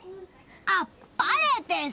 あっぱれです！